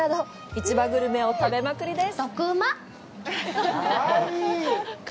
市場グルメを食べまくりです！